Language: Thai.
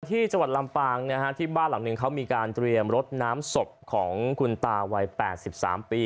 ที่จังหวัดลำปางนะฮะที่บ้านหลังหนึ่งเขามีการเตรียมรถน้ำศพของคุณตาวัย๘๓ปี